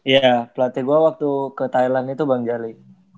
ya pelatih gue waktu ke thailand itu bang jali